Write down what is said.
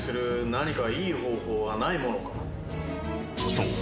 ［そう。